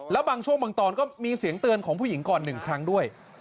แล้วบางช่วงบางตอนก็มีเสียงเตือนของผู้หญิงก่อน๑ครั้งด้วย